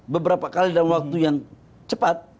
beberapa kali dalam waktu yang cepat